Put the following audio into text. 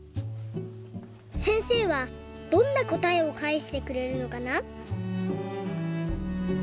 せんせいはどんなこたえをかえしてくれるのかな？